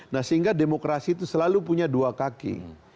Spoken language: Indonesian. nah sehingga demokrasi itu selalu punya dua kaki